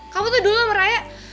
kamu tuh dulu sama raya